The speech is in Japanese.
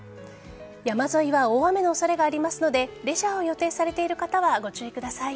山沿いは大雨の恐れがありますのでレジャーを予定されている方はご注意ください。